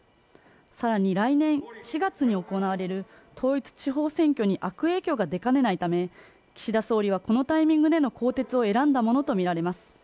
さらに来年４月に行われる統一地方選挙に悪影響が出かねないため岸田総理はこのタイミングでの更迭を選んだものと見られます